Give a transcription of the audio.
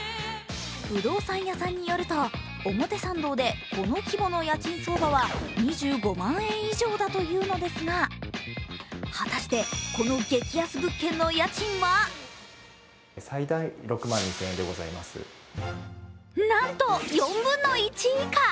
不動産屋さんによると表参道でこの規模の家賃相場は２５万円以上だというのですが果たしてこの激安物件の家賃はなんと４分の１以下！